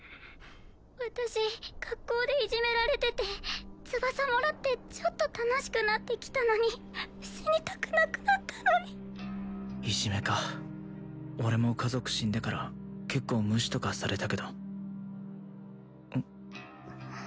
私学校でいじめられてて翼もらってちょっと楽しくなってきたのに死にたくなくなったのにいじめか俺も家族死んでから結構無視とかされたけどうん？